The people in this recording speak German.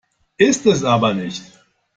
Ist es aber nicht.